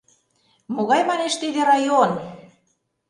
— Могай, манеш, тиде район.